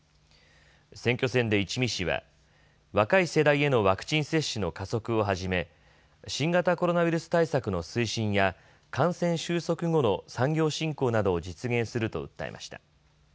選挙戦で一見氏は、若い世代へのワクチン接種の加速をはじめ新型コロナウイルス対策の推進や感染収束後の産業振興などを実現すると訴えました。